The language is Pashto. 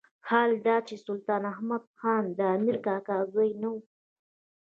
حال دا چې سلطان احمد خان د امیر کاکا زوی نه وو.